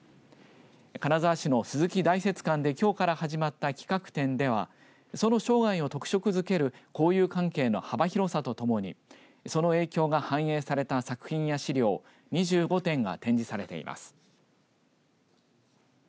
金沢市の鈴木大拙館できょうから始まった企画展ではその生涯を特色づける交友関係の幅広さとともにその影響が反映された作品や資料２５点が展示されています。